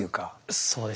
そうですね。